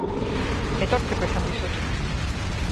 Etortzeko esan dizut.